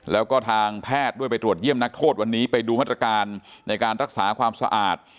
แล้วก็ทางแพทย์ด้วยไปตรวจเยี่ยมนักโทษวันนี้ไปดูมาตรการในการรักษาความสะอาด